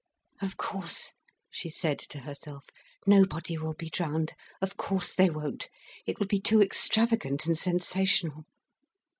"Of course," she said to herself, "nobody will be drowned. Of course they won't. It would be too extravagant and sensational."